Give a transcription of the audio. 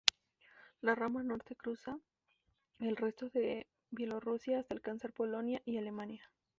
La rama norte cruza el resto de Bielorrusia hasta alcanzar Polonia y Alemania.